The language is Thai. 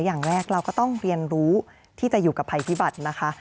อย่างแรกเราก็ต้องเรียนรู้ที่จะอยู่กับภัยพิบัตินะคะ